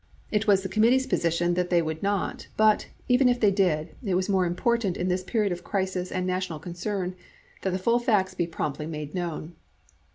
It was the committee's position that they would not, but, even if they did, it was more important in this period of crisis and national concern that the full facts be promptly made known.